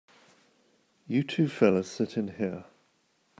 You two fellas sit in here.